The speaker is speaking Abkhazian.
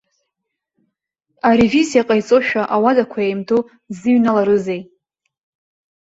Аревизиа ҟаиҵошәа, ауадақәа еимдо дзыҩналарызеи?